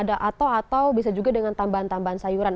atau bisa juga dengan tambahan tambahan sayuran